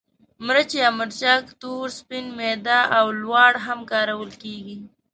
مرچ یا مرچک تور، سپین، میده او لواړ هم کارول کېږي.